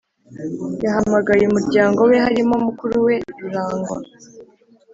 yahamagaye umuryango we harimo mukuruwe rurangwa